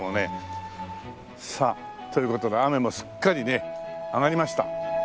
さあという事で雨もすっかりね上がりました。